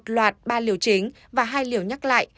một loạt ba liều chính và hai liều nhắc lại